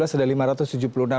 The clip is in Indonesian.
seda lima tahun